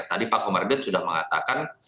tadi pak komarudin sudah mengatakan